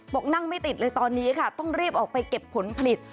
บอกนั่งไม่ติดเลยตอนนี้ค่ะต้องรีบออกไปเก็บผลผลิต